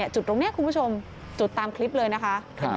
จุดตรงนี้คุณผู้ชมจุดตามคลิปเลยนะคะ